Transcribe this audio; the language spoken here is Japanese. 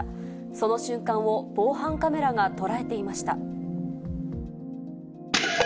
その瞬間を防犯カメラが捉えていました。